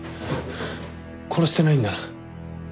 殺してないんだな？